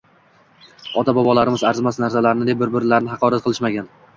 Ota-bobolarimiz arzimas narsalarni deb bir-birlarini haqorat qilishmagan.